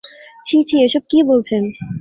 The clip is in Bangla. ছিঃ ছিঃ এসব কি বলছেন?